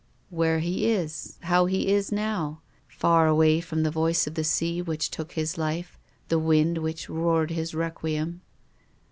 " Where he is, how he is now, far away from the voice of the sea which took his life, the wind which roared his requiem."